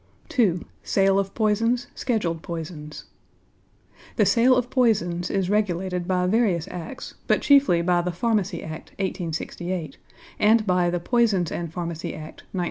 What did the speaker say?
II. SALE OF POISONS; SCHEDULED POISONS The sale of poisons is regulated by various Acts, but chiefly by the Pharmacy Act, 1868, and by the Poisons and Pharmacy Act, 1908.